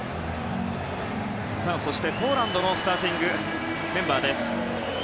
そしてポーランドのスターティングメンバーです。